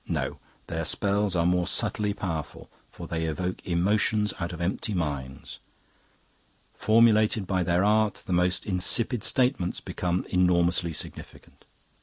No, their spells are more subtly powerful, for they evoke emotions out of empty minds. Formulated by their art the most insipid statements become enormously significant.